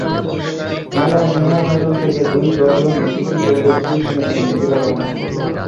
মেলায় নিহার ফ্যাশন থেকে দুই ডজন সিটি গোল্ডের চুড়ি কিনেছেন মিথিলা রহমান।